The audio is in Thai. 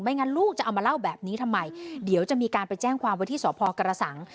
งั้นลูกจะเอามาเล่าแบบนี้ทำไมเดี๋ยวจะมีการไปแจ้งความว่าที่สพกระสัง